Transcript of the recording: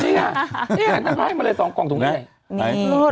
นี่ไงนางจะต้องให้มาเลยสองกล่องถุงนี้